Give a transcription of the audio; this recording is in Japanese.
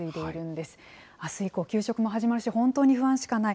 あす以降、給食も始まるし、本当に不安しかない。